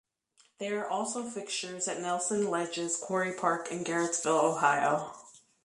They are also fixtures at Nelson Ledges Quarry Park in Garrettsville, Ohio.